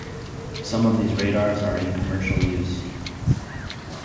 Some of these radars are in commercial use.